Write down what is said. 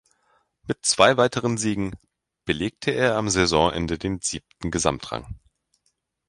Mit zwei weiteren Siegen belegte er am Saisonende den siebten Gesamtrang.